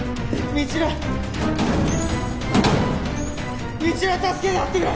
未知留は助けてやってくれ！